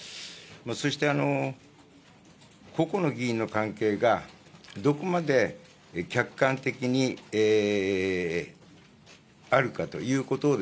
そして個々の議員の関係が、どこまで客観的にあるかということを、